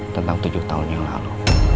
tentang tujuh tahun yang lalu